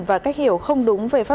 và cách hiểu không đúng về pháp luật